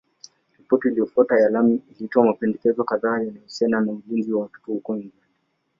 Ripoti iliyofuata ya Laming ilitoa mapendekezo kadhaa yanayohusiana na ulinzi wa watoto huko England.